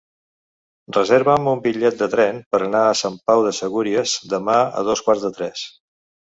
Reserva'm un bitllet de tren per anar a Sant Pau de Segúries demà a dos quarts de tres.